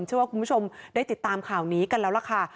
เชื่อว่าคุณผู้ชมได้ติดตามข่าวนี้กันแล้วล่ะค่ะ